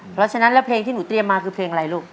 เพราะฉะนั้นแล้วเพลงที่หนูเตรียมมาคือเพลงอะไรลูก